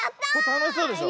たのしそうでしょ。